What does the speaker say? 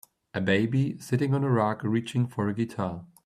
A baby sitting on a rug reaching for a guitar.